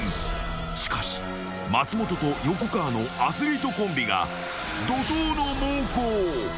［しかし松本と横川のアスリートコンビが怒濤の猛攻］